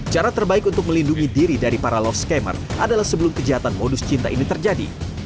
cara terbaik untuk melindungi diri dari para love scammer adalah sebelum kejahatan modus cinta ini terjadi